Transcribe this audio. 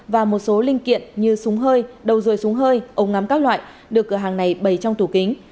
và một số linh kiện như súng hơi đầu rồi súng hơi ống ngắm các loại được cửa hàng này bày trong tủ kính